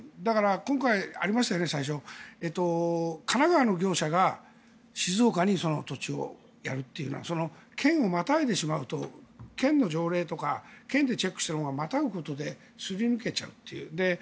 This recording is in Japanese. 今回、最初ありましたよね神奈川県の業者が静岡県に土地をやるというような県をまたいでしまうと県の条例とか県でチェックしたものがまたぐことですり抜けちゃう。